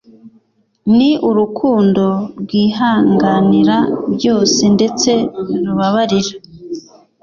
, ni urukundo rwihanganira byose ndetse rubabarira